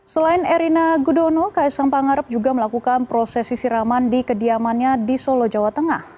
selain erina gudono kaisang pangarep juga melakukan prosesi siraman di kediamannya di solo jawa tengah